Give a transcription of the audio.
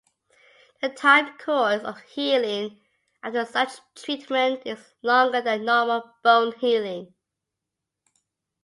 The time course of healing after such treatment is longer than normal bone healing.